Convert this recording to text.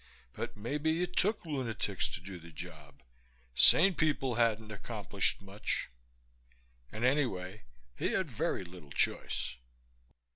But maybe it took lunatics to do the job. Sane people hadn't accomplished much. And anyway he had very little choice....